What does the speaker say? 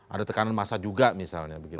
ada tekanan masa juga misalnya